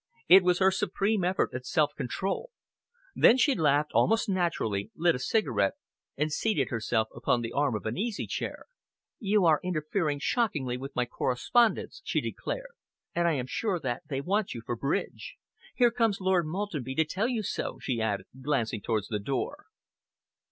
It was her supreme effort at self control. Then she laughed almost naturally, lit a cigarette, and seated herself upon the arm of an easy chair. "You are interfering shockingly with my correspondence," she declared, "and I am sure that they want you for bridge. Here comes Lord Maltenby to tell you so," she added, glancing towards the door.